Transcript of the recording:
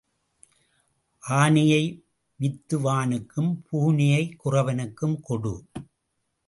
ஆனையை வித்துவானுக்கும் பூனையைக் குறவனுக்கும் கொடு.